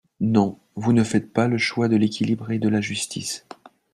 Non, vous ne faites pas le choix de l’équilibre et de la justice.